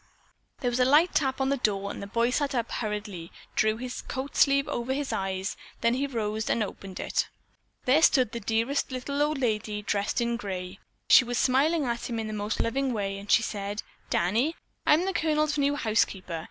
There was a light tap on the door and the boy sat up and hurriedly drew his coat sleeve over his eyes. Then he rose and opened it. There stood the dearest little old lady, dressed in gray. She was smiling at him in a most loving way and she said: "Danny, I'm the Colonel's new housekeeper.